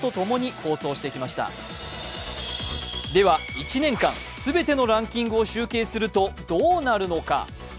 １年間すべてのランキングを集計するとどうなるのか？